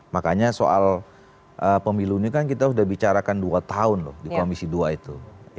makanya soal pemilu ini kan kita sudah bicarakan dua tahun loh di komisi dua itu